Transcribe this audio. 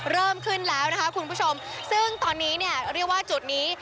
เริ่มขึ้นแล้วนะคะคุณผู้ชมซึ่งตอนนี้เนี่ยเรียกว่าจุดนี้